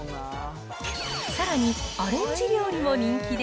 さらにアレンジ料理も人気で、